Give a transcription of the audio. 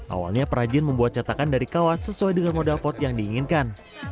awalnya perajin membuat cetakan dari kawat sesuai dengan modal pot yang diinginkan